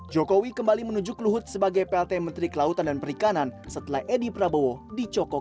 jokowi kembali menuju ke luhut sebagai plt menteri kelautan dan perikanan setelah edi prabowo di coko kpk